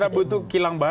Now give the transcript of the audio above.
oh kita butuh kilang baru